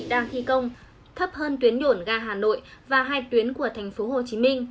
đang thi công thấp hơn tuyến nhuẩn ga hà nội và hai tuyến của tp hcm